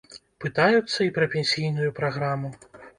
Пытаюцца і пра пенсійную праграму.